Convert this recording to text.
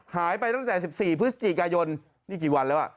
หายไปตั้งแต่สิบสี่พฤษสี่กายนนี่กี่วันแล้วอ่ะ